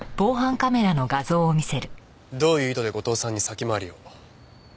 どういう意図で後藤さんに先回りを？